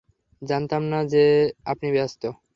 জানতাম না যে আপনি ব্যস্ত।